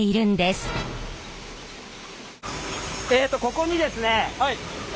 えっとここにですね